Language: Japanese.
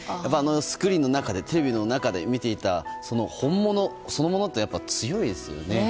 スクリーンの中でテレビの中で見ていたその本物そのものは強いですね。